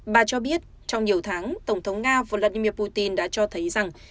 bà cho biết trong nhiều tháng tổng thống nga vladimir putin đã cho thấy rằng